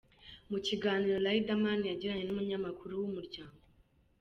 Mu kiganiro Riderman yagiranye n’umunyamakuru wa Umuryango.